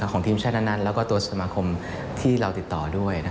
ของทีมชาตินั้นแล้วก็ตัวสมาคมที่เราติดต่อด้วย